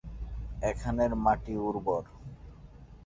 এখানের মাটি উর্বর।